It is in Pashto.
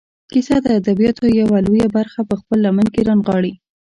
کیسه د ادبیاتو یوه لویه برخه په خپله لمن کې رانغاړي.